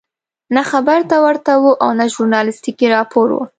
نه خبر ته ورته وو او نه ژورنالستیکي راپور وو.